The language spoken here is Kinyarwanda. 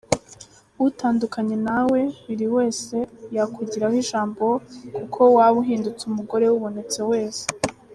Utandukanye nawe, buri wese yakugiraho ijambo kuko wabauhindutse umugore w’ubonetse wese.